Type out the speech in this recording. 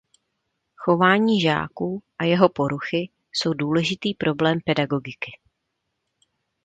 Chování žáků a jeho poruchy jsou důležitý problém pedagogiky.